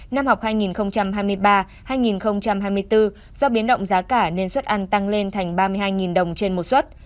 năm học hai nghìn hai mươi ba hai nghìn hai mươi bốn do biến động giá cả nên suất ăn tăng lên thành ba mươi hai đồng trên một suất